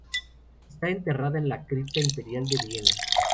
Está enterrada en la Cripta Imperial de Viena.